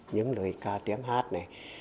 những lời ca tiếng hát này